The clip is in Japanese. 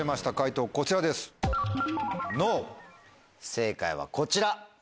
正解はこちら！